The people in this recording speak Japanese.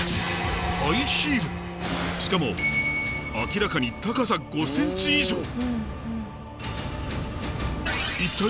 しかも明らかに高さ５ｃｍ以上！